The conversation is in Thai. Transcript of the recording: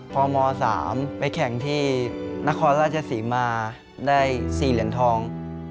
ม๓ไปแข่งที่นครราชศรีมาได้๔เหรียญทอง